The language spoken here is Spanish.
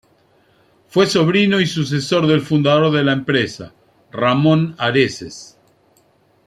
Fue sobrino y sucesor del fundador de la empresa, Ramón Areces.